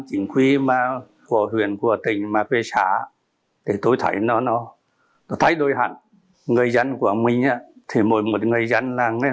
từ khi mới được tăng cường về xã thì lực lượng công an xã tường hòa chỉ có bốn người thôi